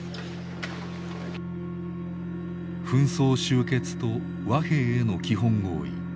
紛争終結と和平への基本合意